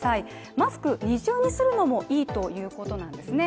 マスク、二重にするのもいいということなんですね。